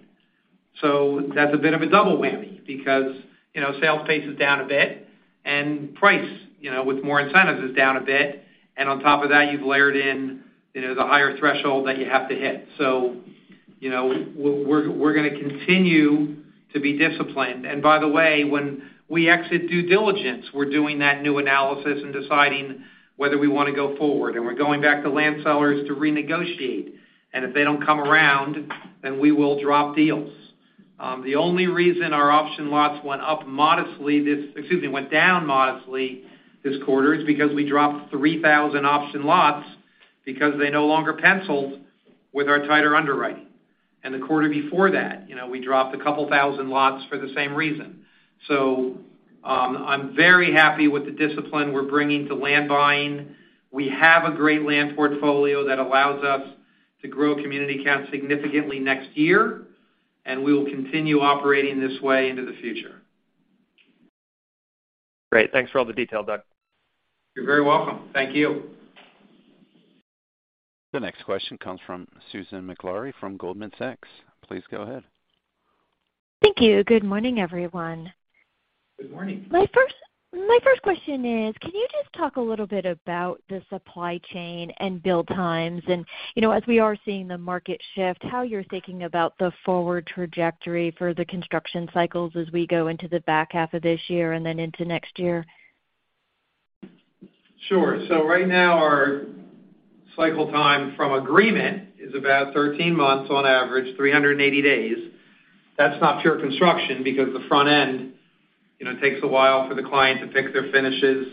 That's a bit of a double whammy because, you know, sales pace is down a bit, and price, you know, with more incentives, is down a bit. On top of that, you've layered in, you know, the higher threshold that you have to hit. You know, we're gonna continue to be disciplined. By the way, when we exit due diligence, we're doing that new analysis and deciding whether we wanna go forward, and we're going back to land sellers to renegotiate. If they don't come around, then we will drop deals. The only reason our option lots went down modestly this quarter is because we dropped 3,000 option lots because they no longer penciled with our tighter underwriting. The quarter before that, you know, we dropped a couple thousand lots for the same reason. I'm very happy with the discipline we're bringing to land buying. We have a great land portfolio that allows us to grow community count significantly next year, and we will continue operating this way into the future. Great. Thanks for all the detail, Douglas. You're very welcome. Thank you. The next question comes from Susan Maklari from Goldman Sachs. Please go ahead. Thank you. Good morning, everyone. Good morning. My first question is, can you just talk a little bit about the supply chain and build times? You know, as we are seeing the market shift, how you're thinking about the forward trajectory for the construction cycles as we go into the back half of this year and then into next year? Sure. Right now, our cycle time from agreement is about 13 months on average, 380 days. That's not pure construction because the front end, you know, takes a while for the client to pick their finishes,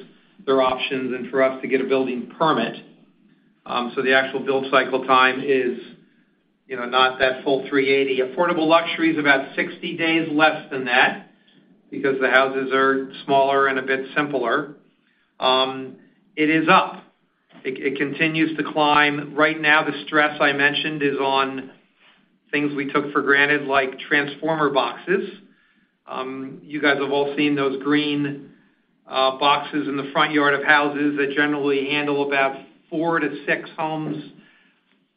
their options, and for us to get a building permit. The actual build cycle time is, you know, not that full 380. Affordable luxury is about 60 days less than that because the houses are smaller and a bit simpler. It is up. It continues to climb. Right now, the stress I mentioned is on things we took for granted, like transformer boxes. You guys have all seen those green boxes in the front yard of houses that generally handle about 4-6 homes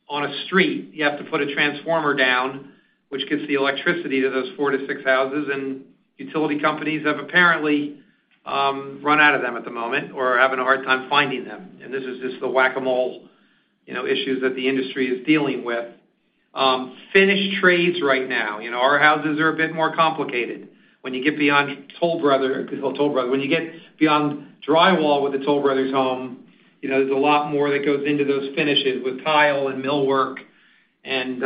on a street. You have to put a transformer down, which gives the electricity to those 4-6 houses, and utility companies have apparently run out of them at the moment or are having a hard time finding them. This is just the whack-a-mole, you know, issues that the industry is dealing with. Finish trades right now, you know, our houses are a bit more complicated. When you get beyond Toll Brothers. When you get beyond drywall with a Toll Brothers home, you know, there's a lot more that goes into those finishes with tile and millwork and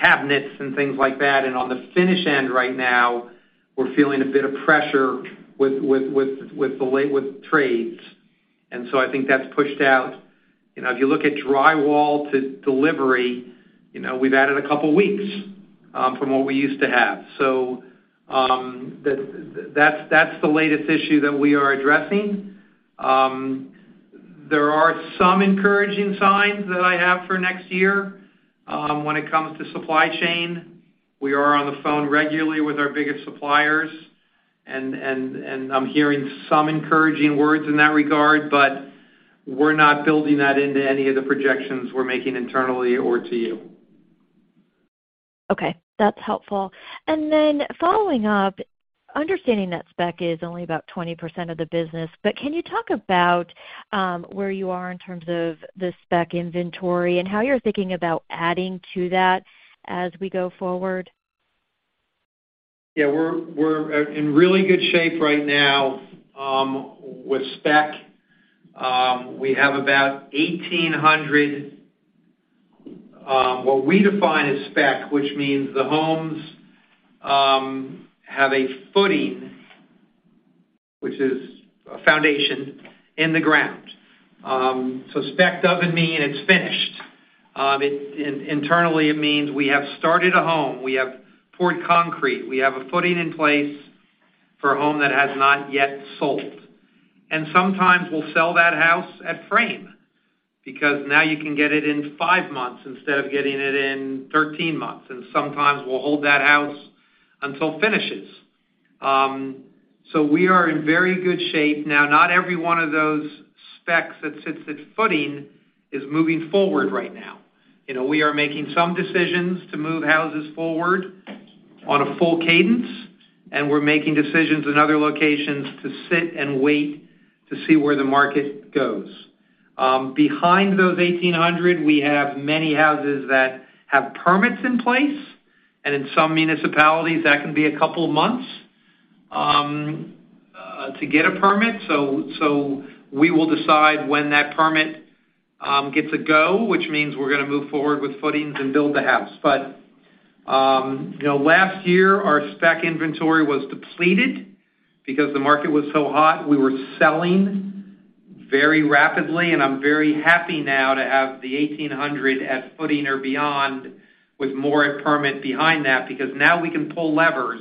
cabinets and things like that. On the finish end right now, we're feeling a bit of pressure with trades. I think that's pushed out. You know, if you look at drywall to delivery, you know, we've added a couple weeks from what we used to have. That's the latest issue that we are addressing. There are some encouraging signs that I have for next year when it comes to supply chain. We are on the phone regularly with our biggest suppliers, and I'm hearing some encouraging words in that regard, but we're not building that into any of the projections we're making internally or to you. Okay, that's helpful. Following up, understanding that spec is only about 20% of the business, but can you talk about where you are in terms of the spec inventory and how you're thinking about adding to that as we go forward? Yeah. We're in really good shape right now with spec. We have about 1,800 what we define as spec, which means the homes have a footing, which is a foundation in the ground. So spec doesn't mean it's finished. Internally, it means we have started a home, we have poured concrete, we have a footing in place for a home that has not yet sold. Sometimes we'll sell that house at frame because now you can get it in 5 months instead of getting it in 13 months, and sometimes we'll hold that house until finishes. So we are in very good shape. Now, not every one of those specs that sits at footing is moving forward right now. You know, we are making some decisions to move houses forward on a full cadence, and we're making decisions in other locations to sit and wait to see where the market goes. Behind those 1,800, we have many houses that have permits in place, and in some municipalities, that can be a couple months to get a permit. We will decide when that permit gets a go, which means we're gonna move forward with footings and build the house. You know, last year, our spec inventory was depleted because the market was so hot, we were selling very rapidly, and I'm very happy now to have the 1,800 at footing or beyond with more at permit behind that, because now we can pull levers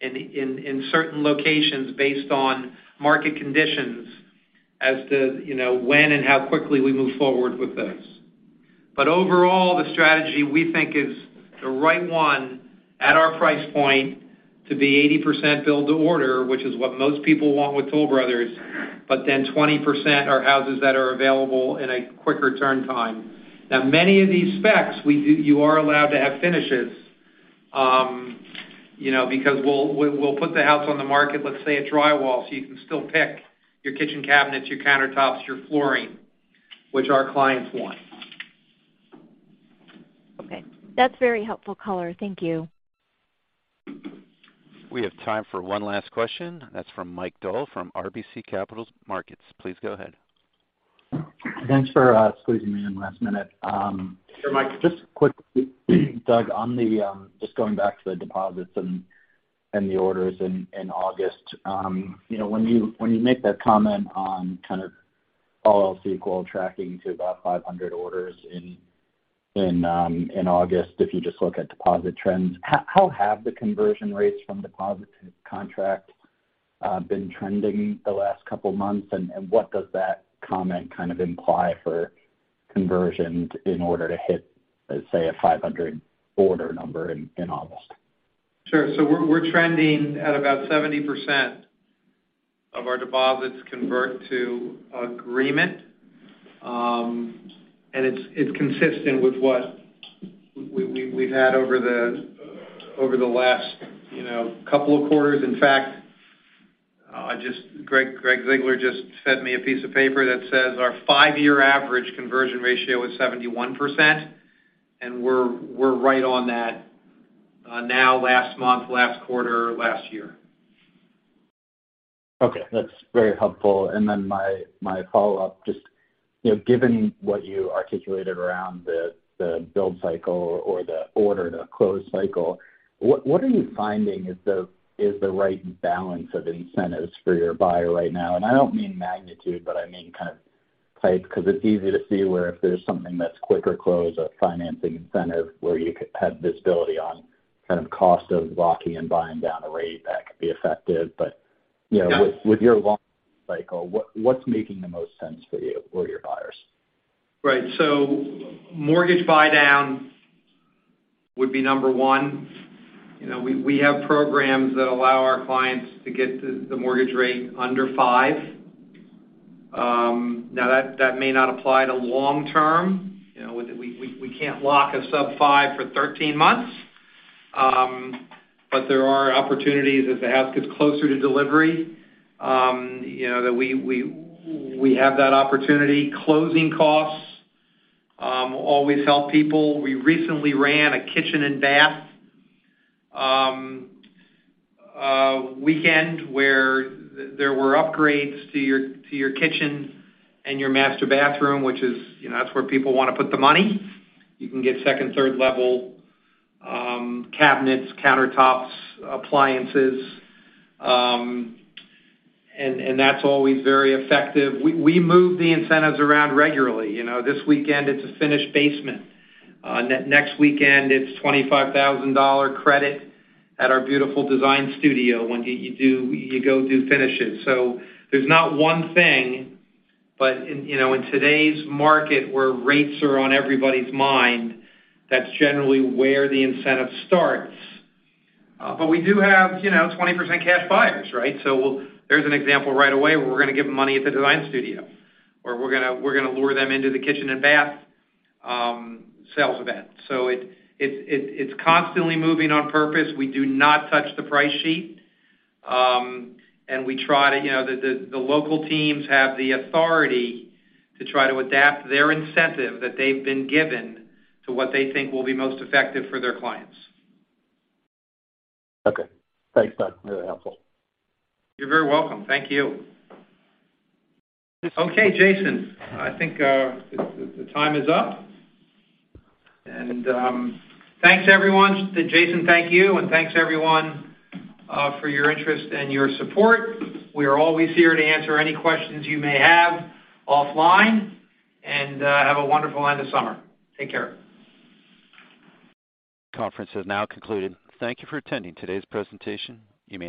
in certain locations based on market conditions as to, you know, when and how quickly we move forward with those. Overall, the strategy we think is the right one at our price point to be 80% build-to-order, which is what most people want with Toll Brothers, but then 20% are houses that are available in a quicker turn time. Now many of these specs we do, you are allowed to have finishes, you know, because we'll put the house on the market, let's say, at drywall, so you can still pick your kitchen cabinets, your countertops, your flooring, which our clients want. Okay. That's very helpful color. Thank you. We have time for one last question. That's from Mike Dahl from RBC Capital Markets. Please go ahead. Thanks for squeezing me in last minute. Sure, Mike. Just quick, Doug, on the just going back to the deposits and the orders in August. You know, when you make that comment on all else equal tracking to about 500 orders in August if you just look at deposit trends, how have the conversion rates from deposit to contract been trending the last couple of months? What does that comment imply for conversion in order to hit, let's say, a 500 order number in August? Sure. We're trending at about 70% of our deposits convert to agreement. It's consistent with what we've had over the last, you know, couple of quarters. In fact, Gregg Ziegler just sent me a piece of paper that says our five-year average conversion ratio is 71%, and we're right on that now, last month, last quarter, last year. Okay. That's very helpful. My follow-up just, you know, given what you articulated around the build cycle or the order-to-close cycle, what are you finding is the right balance of incentives for your buyer right now? I don't mean magnitude, but I mean type, 'cause it's easy to see where if there's something that's quicker close or financing incentive where you could have visibility on cost of locking and buying down a rate that could be effective. You know. Yeah. With your long cycle, what's making the most sense for you or your buyers? Right. Mortgage buydowns would be number one. You know, we have programs that allow our clients to get the mortgage rate under 5%. Now that may not apply to long term. You know, we can't lock a sub 5% for 13 months. There are opportunities as the house gets closer to delivery, you know, that we have that opportunity. Closing costs always help people. We recently ran a kitchen and bath weekend where there were upgrades to your kitchen and your master bathroom, which is, you know, that's where people wanna put the money. You can get second, third level cabinets, countertops, appliances, and that's always very effective. We move the incentives around regularly. You know, this weekend it's a finished basement. Next weekend it's $25,000 credit at our beautiful Design Studio when you go do finishes. There's not one thing, but, you know, in today's market where rates are on everybody's mind, that's generally where the incentive starts. We do have, you know, 20% cash buyers, right? There's an example right away where we're gonna give money at the Design Studio or we're gonna lure them into the kitchen and bath sales event. It's constantly moving on purpose. We do not touch the price sheet. We try to, you know, the local teams have the authority to try to adapt their incentive that they've been given to what they think will be most effective for their clients. Okay. Thanks, Douglas. Really helpful. You're very welcome. Thank you. Okay, Jason, I think the time is up. Thanks everyone. To Jason, thank you, and thanks everyone for your interest and your support. We are always here to answer any questions you may have offline, and have a wonderful end of summer. Take care. Conference has now concluded. Thank you for attending today's presentation. You may now disconnect.